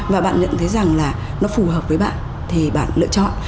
và bạn nhận thấy rằng là nó phù hợp với bạn thì bạn lựa chọn